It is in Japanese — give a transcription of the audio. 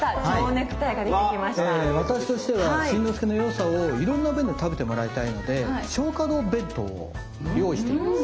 え私としては新之助の良さをいろんな面で食べてもらいたいので松花堂弁当を用意しております。